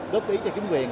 góp ý cho chính quyền